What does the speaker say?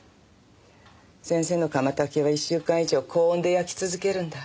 先生の窯焚きは１週間以上高温で焼き続けるんだ。